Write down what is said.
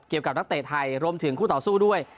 กับนักเตะไทยรวมถึงคู่ต่อสู้ด้วย